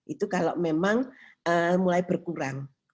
itu kalau memang mulai berkurang